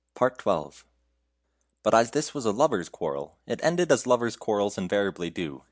XII. But as this was a lovers' quarrel, it ended as lovers' quarrels invariably do.